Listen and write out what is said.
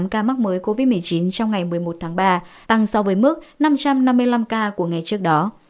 năm trăm tám mươi tám ca mắc mới covid một mươi chín trong ngày một mươi một tháng ba tăng so với mức năm trăm năm mươi năm ca của ngày trước đó